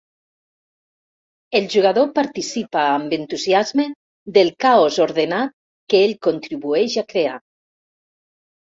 El jugador participa amb entusiasme del caos ordenat que ell contribueix a crear.